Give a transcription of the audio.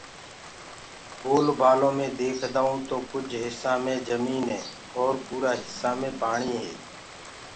گول بآلو مي ديکدآئونٚ تو ڪجھ هِسآ مي جميٚني اور پورآ هِسآ مي پآڻيٚ هي